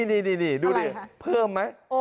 นี่ดูดิเพิ่มไหม